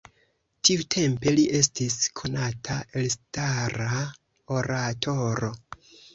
Tiutempe li estis konata elstara oratoro.